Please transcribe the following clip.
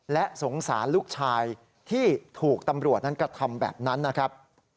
และสงสารลูกชายที่ถูกตำรวจนั้นกระทำแบบนั้นนะครับ